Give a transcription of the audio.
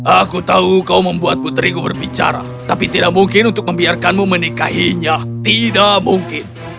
aku tahu kau membuat putriku berbicara tapi tidak mungkin untuk membiarkanmu menikahinya tidak mungkin